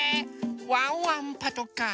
ワンワンパトカー。